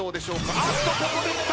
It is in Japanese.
あっとここできた！